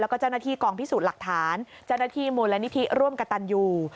แล้วก็เจ้าหน้าที่กองพิสูจน์หลักฐานเจ้าหน้าที่มูลนิธิร่วมกับตันยู